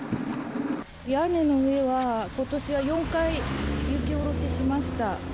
屋根の上は、ことしは４回、雪下ろししました。